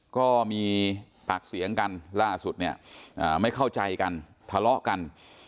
ก็มีปากเสียงกันล่าสุดเนี่ยไม่เข้าใจกันทะเลาะกัน